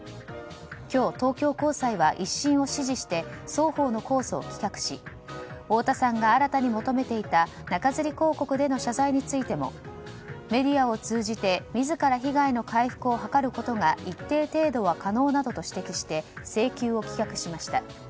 今日、東京高裁は１審を支持して双方の控訴を棄却し太田さんが新たに求めていた中づり広告での謝罪についてもメディアを通じて自ら被害の回復を図ることが一定程度は可能などと指摘して請求を棄却しました。